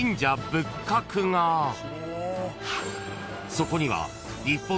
［そこには］